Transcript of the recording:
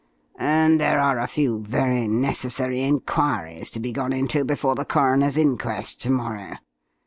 And there are a few very necessary enquiries to be gone into before the coroner's inquest to morrow.